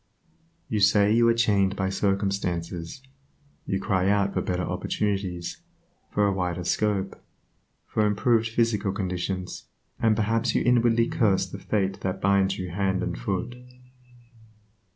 You say you are chained by circumstances; you cry out for better opportunities, for a wider scope, for improved physical conditions, and perhaps you inwardly curse the fate that binds you hand and foot.